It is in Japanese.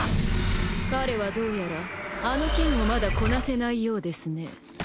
彼はどうやらあの剣をまだこなせないようですね。